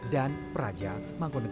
dan peraja mangkonegara